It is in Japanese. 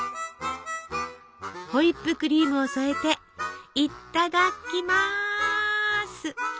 ホイップクリームを添えていただきます！